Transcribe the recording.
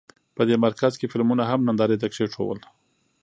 په دې مرکز کې فلمونه هم نندارې ته کېښودل.